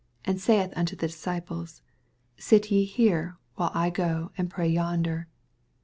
and ■aith unto the disciples, Sit ye nere, while I go and pray yonder.